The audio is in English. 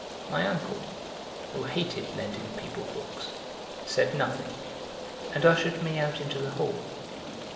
My uncle, who hated lending people books, said nothing, and ushered me out into the hall.